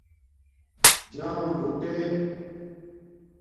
جام بُݸٹے